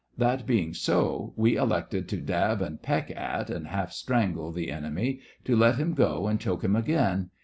That being so, we elected to dab and peck at and half strangle the enemy, to let him go and choke him again.